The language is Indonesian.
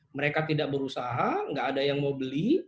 mereka tidak berusaha nggak ada yang mau beli